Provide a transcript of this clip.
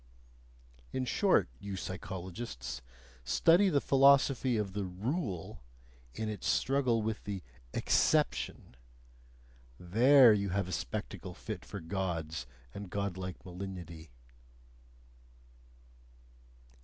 In short, you psychologists, study the philosophy of the "rule" in its struggle with the "exception": there you have a spectacle fit for Gods and godlike malignity!